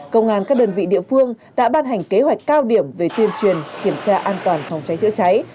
công an các đơn vị địa phương đã ban hành kế hoạch cao điểm về tuyên truyền kiểm tra an toàn phòng cháy chữa cháy